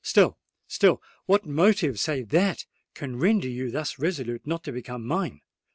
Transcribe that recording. Still—still, what motive, save that, can render you thus resolute not to become mine?